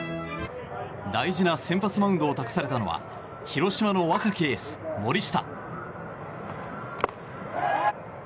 大事な先発マウンドを託されたのは広島の若きエース、森下。